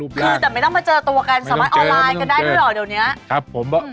คือแต่ไม่ต้องมาเจอตัวกันสามารถออนไลน์กันได้ด้วยเหรอ